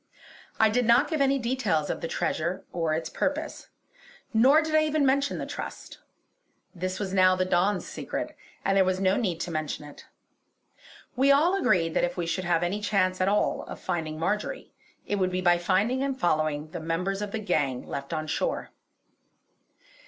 I did not give any details of the treasure or its purpose; nor did I even mention the trust. This was now the Don's secret, and there was no need to mention it. We all agreed that if we should have any chance at all of finding Marjory, it would be by finding and following the members of the gang left on shore.